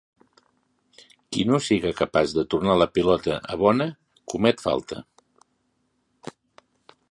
Qui no siga capaç de tornar la pilota a bona comet falta.